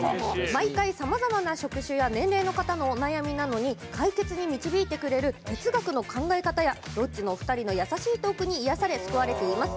毎回さまざまな職種や年齢の方のお悩みなのに解決に導いてくれる哲学の考え方やロッチのお二人の優しいトークに癒やされ、救われています。